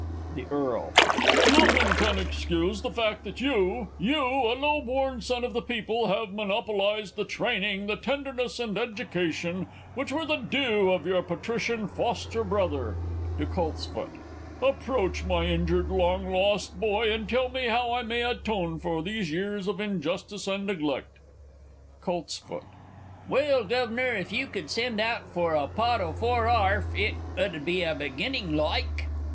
The E. Nothing can excuse the fact that you you, a low born son of the people, have monopolised the training, the tenderness and education, which were the due of your Patrician foster brother. (To COLTSFOOT.) Approach, my injured, long lost boy, and tell me how I may atone for these years of injustice and neglect! Colts. Well, Guv'nor, if you could send out for a pot o' four arf, it 'ud be a beginning, like.